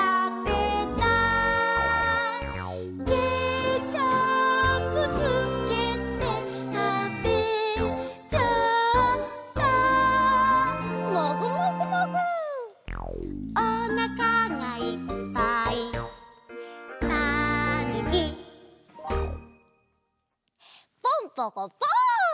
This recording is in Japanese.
「ケチャップつけてたべちゃった」「」「おなかがいっぱいたぬき」ポンポコポン！